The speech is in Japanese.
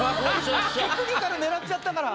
テクニカル狙っちゃったから。